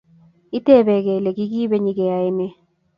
Itebekei Ile kikibe nyikeyaine